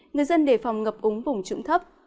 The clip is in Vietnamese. người dân đề phòng ngập úng vùng trụng thấp